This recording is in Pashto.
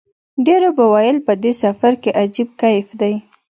ډېرو به ویل په دې سفر کې عجیب کیف دی.